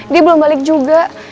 dia belum balik juga